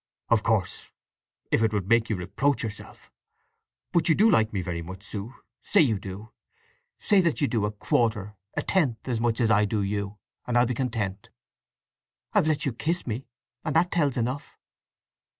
"Of course, if it would make you reproach yourself… but you do like me very much, Sue? Say you do! Say that you do a quarter, a tenth, as much as I do you, and I'll be content!" "I've let you kiss me, and that tells enough."